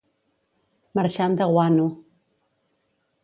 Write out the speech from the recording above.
Marxant de guano.